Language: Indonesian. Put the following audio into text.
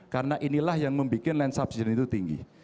karena inilah yang membuat lens subsiden itu tinggi